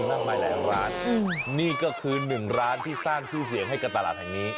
อ่ะลองไปตามดูนี่ก็คือหนึ่งร้านที่สร้างที่เสียงให้กับตลาดแห่งนี้